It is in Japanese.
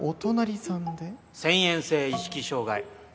遷延性意識障害。